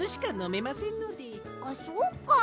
あっそうか。